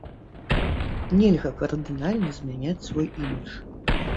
Нельга кардынальна змяняць свой імідж.